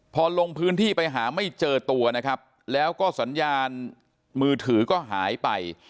พอลงพื้นที่ไปหาไม่เจอตัวนะครับแล้วก็สัญญาณมือถือก็หายไป